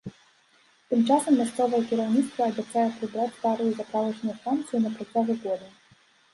Тым часам мясцовае кіраўніцтва абяцае прыбраць старую заправачную станцыю на працягу года.